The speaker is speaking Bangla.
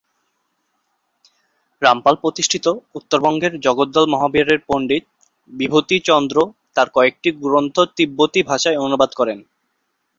রামপাল প্রতিষ্ঠিত উত্তরবঙ্গের জগদ্দল মহাবিহারের পন্ডিত বিভূতিচন্দ্র তাঁর কয়েকটি গ্রন্থ তিববতি ভাষায় অনুবাদ করেন।